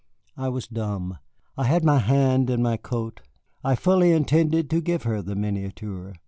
I was dumb. I had my hand in my coat; I fully intended to give her the miniature.